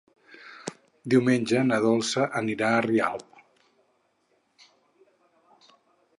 Diumenge na Dolça anirà a Rialp.